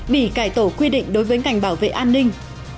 bị cải tổ quy định đối với ngành bảo vệ an ninh